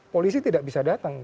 polisi tidak bisa datang